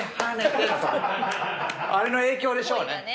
あれの影響でしょうね。